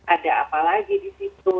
ada apa lagi di situ